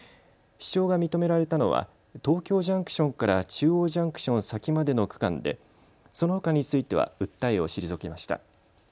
主張が認められたのは東京ジャンクションから中央ジャンクション先までの区間でそのほかについては訴えを退けました。